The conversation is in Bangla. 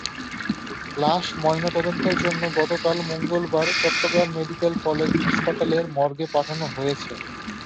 লাশ ময়নাতদন্তের জন্য গতকাল মঙ্গলবার চট্টগ্রাম মেডিকেল কলেজ হাসপাতালের মর্গে পাঠানো হয়েছে।